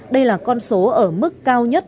đây là con số ở mức cao nhất